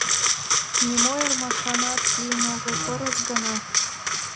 Нимо ӧрмашанат лийын огыл, пырыс гына.